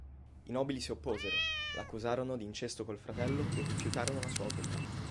I nobili si opposero, l'accusarono d'incesto col fratello e rifiutarono la sua autorità.